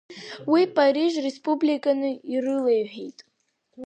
Уи Париж республиканы ирылеиҳәеит.